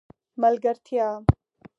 ملګرتیا